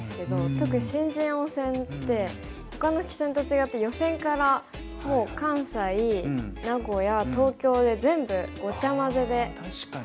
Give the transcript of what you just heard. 特に新人王戦ってほかの棋戦と違って予選からもう関西名古屋東京で全部ごちゃまぜで始めるので。